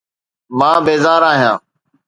مان بيزار آهيان